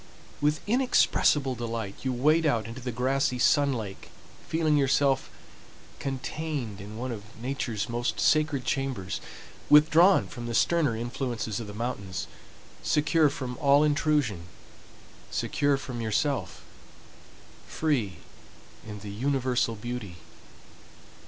With inexpressible delight you wade out into the grassy sun lake, feeling yourself contained in one of Nature's most sacred chambers, withdrawn from the sterner influences of the mountains, secure from all intrusion, secure from yourself, free in the universal beauty.